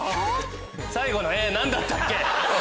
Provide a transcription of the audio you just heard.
最後の絵何だったっけ